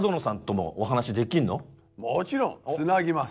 もちろんつなぎます。